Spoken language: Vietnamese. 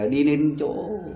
đi lên chỗ